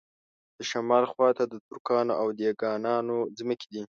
د شمال خواته د ترکانو او دېګانانو ځمکې دي.